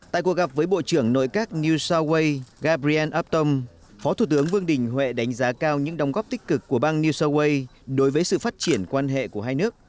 tại cuộc gặp với bộ trưởng nội các new south wales gabriel abtom phó thủ tướng vương đình huệ đánh giá cao những đóng góp tích cực của bang new south wales đối với sự phát triển quan hệ của hai nước